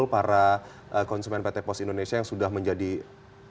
para konsumen pt pos indonesia yang sudah menjadi pelanggan setia setelah ini